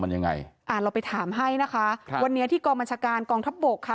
มันยังไงอ่าเราไปถามให้นะคะครับวันนี้ที่กองบัญชาการกองทัพบกค่ะ